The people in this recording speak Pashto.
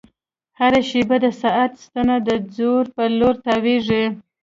هره شېبه د ساعت ستنه د ځوړ په لور تاوېږي.